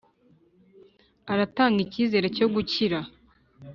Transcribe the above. aratanga icyizere cyo gukira.